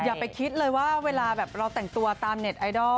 อย่าไปคิดเลยว่าเวลาแบบเราแต่งตัวตามเน็ตไอดอล